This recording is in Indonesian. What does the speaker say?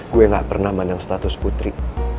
gue gak pernah mandang status putri